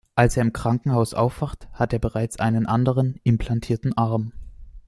Als er im Krankenhaus aufwacht, hat er bereits einen anderen, implantierten Arm.